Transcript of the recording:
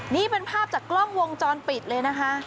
นี่เป็นภาพจากกล้องวงจรปิดเลยนะคะ